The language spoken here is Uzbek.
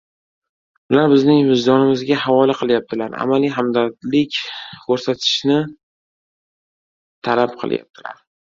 ular bizning vijdonimizga havola qilyaptilar, amaliy hamdardlik ko‘rsatishni talab qilyaptilar.